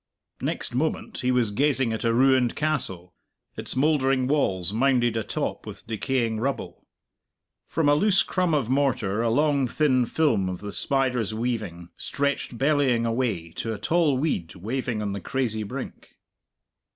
Next moment he was gazing at a ruined castle, its mouldering walls mounded atop with decaying rubble; from a loose crumb of mortar a long, thin film of the spider's weaving stretched bellying away to a tall weed waving on the crazy brink.